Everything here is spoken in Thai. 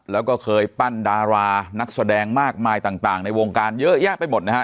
แล้วก็เคยปั้นดารานักแสดงมากมายต่างในวงการเยอะแยะไปหมดนะฮะ